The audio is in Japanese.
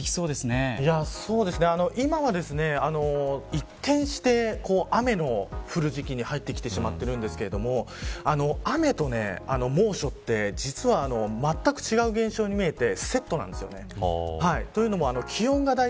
今は一変して雨の降る時期に入ってしまっているんですけど雨と猛暑って、実はまったく違う現象に見えてセットなんです。